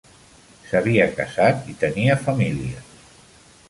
S'havia casat i tenia família.